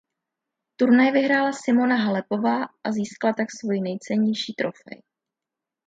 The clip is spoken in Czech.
Turnaj vyhrála Simona Halepová a získala tak svoji nejcennější trofej.